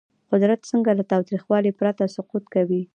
قدرت څنګه له تاوتریخوالي پرته سقوط کوي؟